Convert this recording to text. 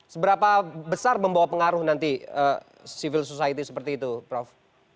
seberapa besar membawa pengaruh nanti civil society seperti itu prof